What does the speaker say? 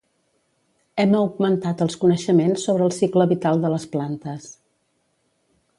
Hem augmentat els coneixements sobre el cicle vital de les plantes.